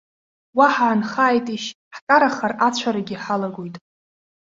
Уа ҳанхааитишь, ҳкарахар ацәарагьы ҳалагоит.